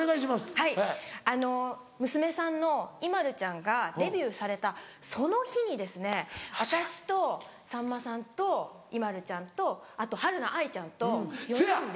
はい娘さんのＩＭＡＬＵちゃんがデビューされたその日に私とさんまさんとＩＭＡＬＵちゃんとあとはるな愛ちゃんと４人で。